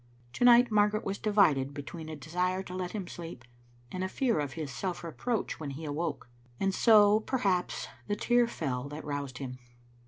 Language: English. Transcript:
To night Margaret was divided between a desire to let him sleep and a fear of his self reproach when he awoke ; and so, perhaps, the tear fell that roused him.